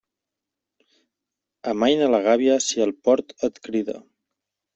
Amaina la gàbia si el port et crida.